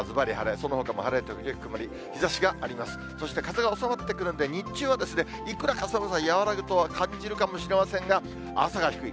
そして風が収まってくるんで、日中はいくらか寒さ和らぐとは感じるかもしれませんが、朝が低い。